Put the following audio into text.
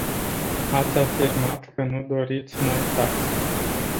Ați afirmat că nu doriți noi taxe.